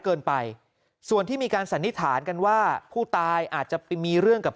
เกินไปส่วนที่มีการสันนิษฐานกันว่าผู้ตายอาจจะไปมีเรื่องกับ